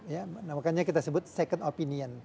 ya makanya kita sebut second opinion